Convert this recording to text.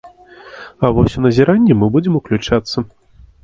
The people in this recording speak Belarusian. А вось у назіранне мы будзем уключацца.